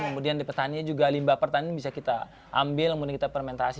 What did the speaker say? kemudian di petani juga limbah pertanian bisa kita ambil kemudian kita fermentasi